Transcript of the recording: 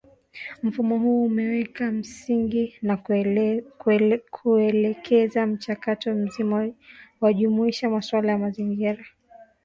Mfumo huu umeweka misingi ya kuelekeza mchakato mzima wa kujumuisha masuala ya mazingira